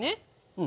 うん。